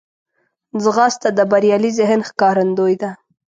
ځغاسته د بریالي ذهن ښکارندوی ده